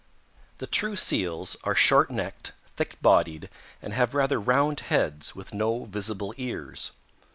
"The true Seals are short necked, thick bodied, and have rather round heads with no visible ears.